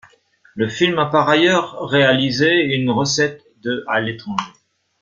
Le film a par ailleurs réalisait une recette de à l'étranger.